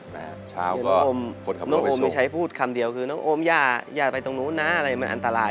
น้องโอมไม่ใช่พูดคำเดียวคือน้องโอมอย่าไปตรงนู้นนะอะไรมันอันตราย